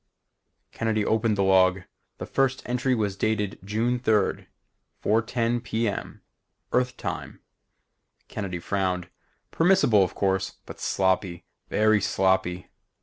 Kennedy opened the log. The first entry was dated June 3rd, 4:10 p. m. Earth time. Kennedy frowned. Permissible of course, but sloppy, very sloppy.